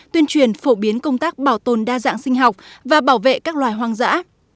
tuyên truyền phổ biến công tác bảo tồn đa dạng sinh học và bảo vệ các loài hoang dã